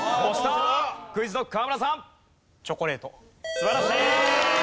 素晴らしい！